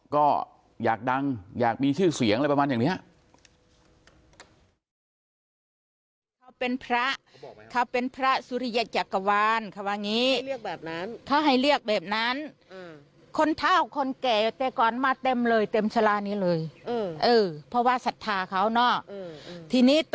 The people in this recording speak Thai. ก็อยากดังอยากมีชื่อเสียงอะไรประมาณอย่างนี้